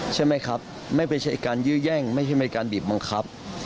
ใช่ไหมครับไม่ไปใช้การยื้อย่างไม่การบีบมงคับ